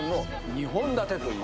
２本立てという。